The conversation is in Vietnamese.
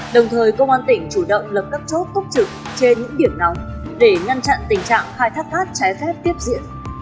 đồng thời công an tỉnh chủ động lập cấp chốt cốc trực trên những biển nóng để ngăn chặn tình trạng khai thác cát trái phép tiếp diễn